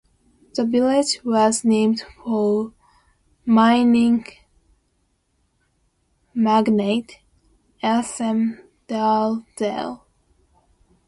The village was named for mining magnate S. M. Dalzell.